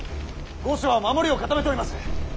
御所は守りを固めております。